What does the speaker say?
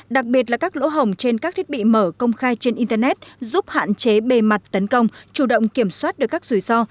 đặc biệt là các lỗ hồng trên các thiết bị mở công khai trên internet giúp hạn chế bề mặt tấn công chủ động kiểm soát được các rủi ro